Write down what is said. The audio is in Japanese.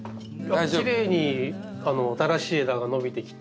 きれいに新しい枝が伸びてきて。